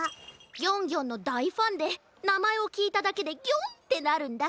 ギョンギョンのだいファンでなまえをきいただけでギョン！ってなるんだ。